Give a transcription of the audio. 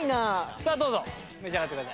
さあどうぞ召し上がってください。